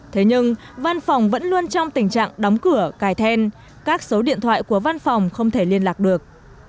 thế nhưng văn phòng vẫn luôn trong tình trạng đóng cửa cài then các số điện thoại của văn phòng không thể liên lạc được